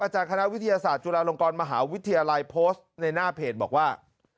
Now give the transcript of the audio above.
คณะวิทยาศาสตร์จุฬาลงกรมหาวิทยาลัยโพสต์ในหน้าเพจบอกว่า